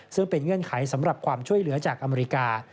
ซึ่งเป็นเงื่อนไขสำหรับความช่วยเหลือจากอเมริกา